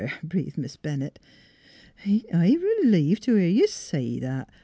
breathed Miss Bennett. 11 Ain't I r'lieved t' hear you say that!